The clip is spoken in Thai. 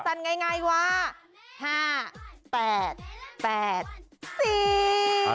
สันไงว่า๕๘๘๔